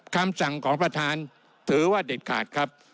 คำสั่งของประธานถือว่าเด็ดขาดครับ